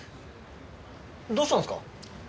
どうしたんですか？